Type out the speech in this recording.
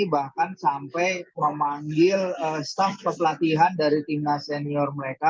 bahkan sampai memanggil staff pelatihan dari tim senior mereka